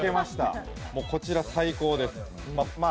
こちら、最高です。